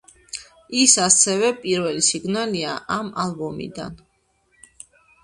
ის ასევე პირველი სინგლია ამ ალბომიდან.